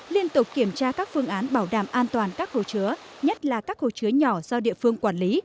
liên tục kiểm tra các phương án bảo đảm an toàn các hồ chứa nhất là các hồ chứa nhỏ do địa phương quản lý